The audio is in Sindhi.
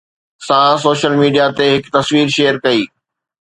سان سوشل ميڊيا تي هڪ تصوير شيئر ڪئي